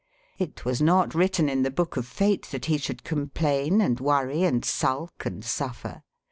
It was not written in the book of fate that he should complain and worry and sulk and suffer.